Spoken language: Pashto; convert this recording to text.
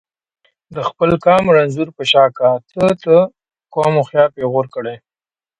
د خپل قام رنځور په شاکه ته ته کوم هوښیار پیغور کړي.